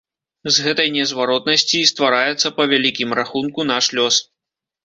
З гэтай незваротнасці і ствараецца, па вялікім рахунку, наш лёс.